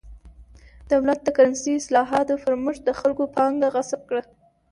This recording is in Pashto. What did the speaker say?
دولت د کرنسۍ اصلاحاتو پر مټ د خلکو پانګه غصب کړه.